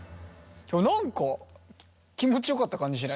何か気持ちよかった感じしない？